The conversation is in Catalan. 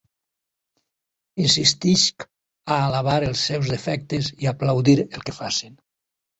Insistisc a alabar els seus defectes i aplaudir el que facen.